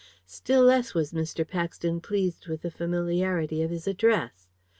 Still less was Mr. Paxton pleased with the familiarity of his address.